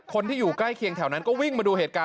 คนที่อยู่ใกล้เคียงแถวนั้นก็วิ่งมาดูเหตุการณ์